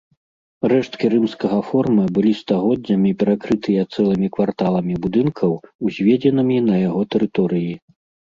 Рэшткі рымскага форума былі стагоддзямі перакрытыя цэлымі кварталамі будынкаў, узведзенымі на яго тэрыторыі.